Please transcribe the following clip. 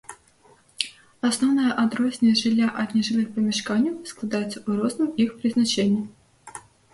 Асноўнае адрозненне жылля ад нежылых памяшканняў складаецца ў розным іх прызначэнні.